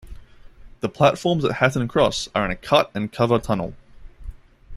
The platforms at Hatton Cross are in a cut and cover tunnel.